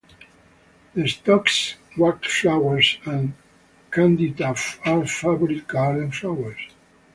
The stocks, wallflowers, and candytuft are favourite garden flowers.